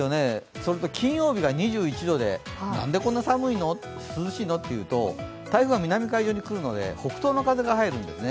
金曜日が２１度でなんでこんな涼しいの？というと台風が南海上に来るので北東の風が入るんですね。